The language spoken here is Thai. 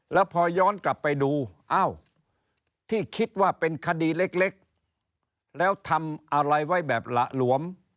แล้วพอย้อนกลับไปดูอ้าวที่คิดว่าเป็นคดีเล็กแล้วทำอะไรไว้แบบหละหลวม